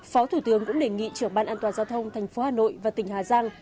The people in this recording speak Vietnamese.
phó thủ tướng cũng đề nghị chủ tịch ủy ban an toàn giao thông thành phố hà nội và tỉnh hà giang